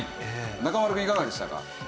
中丸くんいかがでしたか？